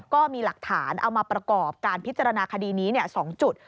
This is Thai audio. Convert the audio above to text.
ก็มีหลักฐานเอามาประกอบการพิจารณาคดีนี้๒จุด